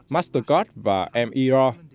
mastercard và tài khoản